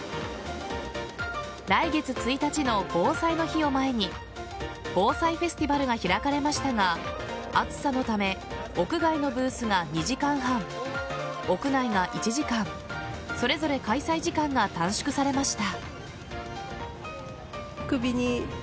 来月１日の防災の日を前に防災フェスティバルが開かれましたが暑さのため屋外のブースが２時間半屋内が１時間それぞれ開催時間が短縮されました。